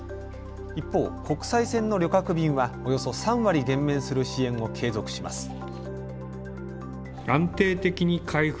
一方、国際線の旅客便はおよそ３割減免する支援を継続します。